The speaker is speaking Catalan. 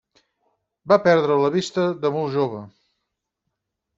Va perdre la vista de molt jove.